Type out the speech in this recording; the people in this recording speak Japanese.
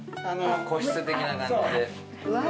個室的な感じで。